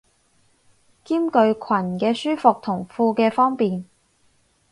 兼具裙嘅舒服同褲嘅方便